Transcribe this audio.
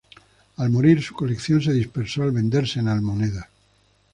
Al morir, su colección se dispersó al venderse en almoneda.